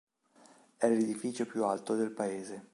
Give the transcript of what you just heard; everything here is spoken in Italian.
È l'edificio più alto del paese.